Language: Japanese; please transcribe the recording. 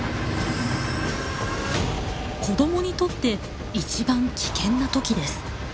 子どもにとって一番危険な時です。